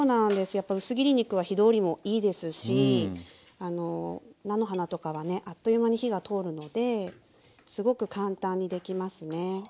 やっぱ薄切り肉は火通りもいいですし菜の花とかはねあっという間に火が通るのですごく簡単にできますね。